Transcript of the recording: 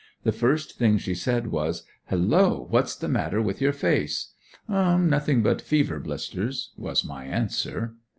The first thing she said was: "Hello, what's the matter with your face?" "Nothing but fever blisters." was my answer.